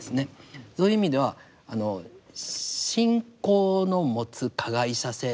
そういう意味ではあの信仰の持つ加害者性。